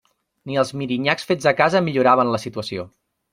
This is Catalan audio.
Ni els mirinyacs fets a casa milloraven la situació.